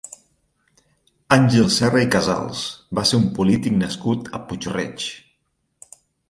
Àngel Serra i Casals va ser un polític nascut a Puig-reig.